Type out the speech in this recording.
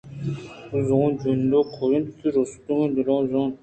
بہ زاں جندے کئیتءُ وتی رَسیتگیں دَہلءَ رُنت